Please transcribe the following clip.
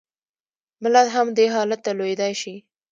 ملت هم دې حالت ته لوېدای شي.